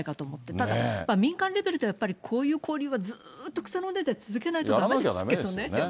ただ民間レベルでやっぱりこういう交流はずっと草の根でも続けないとだめですけどね。